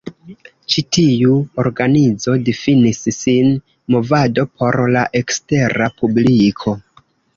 Ĉi tiu organizo difinis sin movado por la ekstera publiko.